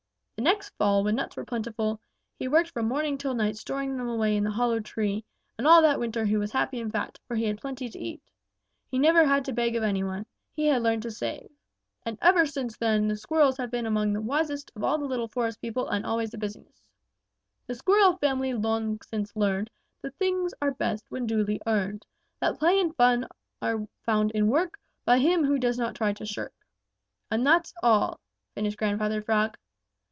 The next fall when nuts were plentiful, he worked from morning till night storing them away in the hollow tree, and all that winter he was happy and fat, for he had plenty to eat. He never had to beg of any one. He had learned to save. "And ever since then the Squirrels have been among the wisest of all the little forest people and always the busiest. "The Squirrel family long since learned That things are best when duly earned; That play and fun are found in work By him who does not try to shirk. "And that's all," finished Grandfather Frog.